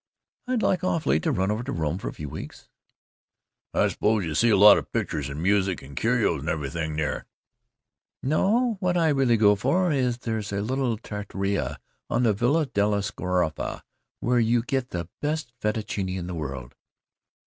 "I'd like awfully to run over to Rome for a few weeks." "I suppose you see a lot of pictures and music and curios and everything there." "No, what I really go for is: there's a little trattoria on the Via della Scrofa where you get the best fettuccine in the world."